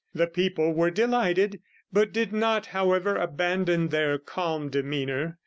The people were delighted, but did not, however, abandon their calm demeanor.